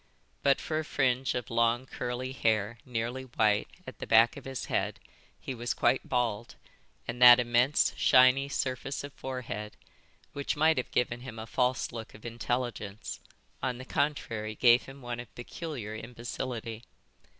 But for a fringe of long curly hair, nearly white, at the back of his head, he was quite bald; and that immense, shiny surface of forehead, which might have given him a false look of intelligence, on the contrary gave him one of peculiar imbecility.